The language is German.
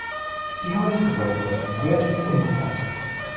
Die Holzgebäude wurden erneuert und umgebaut.